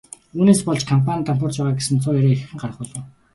Үүнээс болж компани нь дампуурч байгаа гэсэн цуу яриа ихээхэн гарах болов.